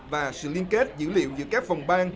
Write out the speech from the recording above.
và sự liên kết dữ liệu giữa các vòng bang